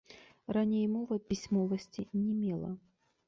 Раней мова пісьмовасці не мела.